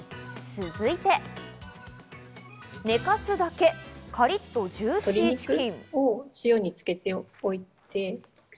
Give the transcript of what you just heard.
続いて寝かすだけ、カリッとジューシーチキン。